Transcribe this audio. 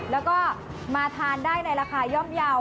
แล้วก็มาทานได้ในราคาย่อมเยาว์